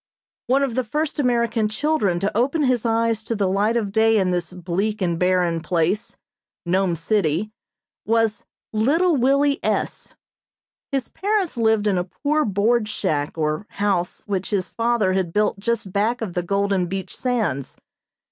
One of the first American children to open his eyes to the light of day in this bleak and barren place Nome City was Little Willie S. His parents lived in a poor board shack or house which his father had built just back of the golden beach sands.